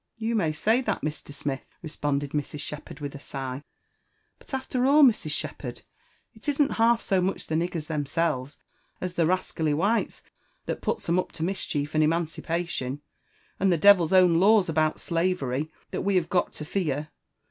''You may say that, Mr. Smith 1" responded Mrs. Shepherd with a •igh. " But after all, Mrs. Shepherd, it isn't half so much the niggers themselves, as the rascally whites, .that puts 'em up to mischief and emancipation, and the devil's own laws about slavery, that we have got to fear.